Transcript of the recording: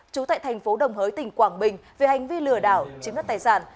trú tại thành phố đồng hới tỉnh quảng bình về hành vi lừa đảo chiếm đất tài sản